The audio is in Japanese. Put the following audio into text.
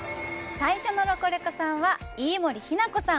最初のロコレコさんは飯盛日奈子さん。